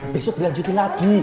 besok kesini lagi